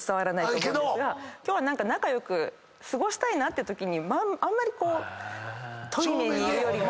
今日は仲良く過ごしたいなってときにあんまりこう対面にいるよりも。